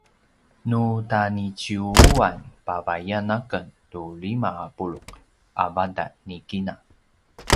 nu taniciyuwan pavayan aken tu lima a puluq a vatan ni kina